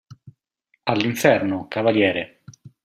All'inferno, cavaliere!